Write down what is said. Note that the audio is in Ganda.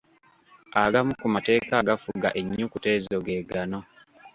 Agamu ku mateeka agafuga ennyukuta ezo ge gano.